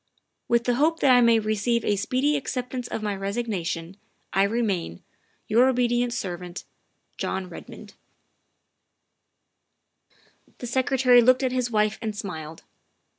" With the hope that I may receive a speedy acceptance of my resignation, 1 remain, " Your obedient servant, " JOHN REDMOND." The Secretary looked at his wife and smiled.